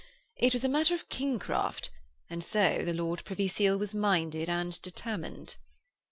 It was a matter of kingcraft, and so the Lord Privy Seal was minded and determined.